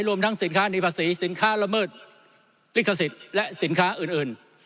รวมทั้งสินค้านีภาษีสินค้าละเมิดลิขสิทธิ์และสินค้าอื่น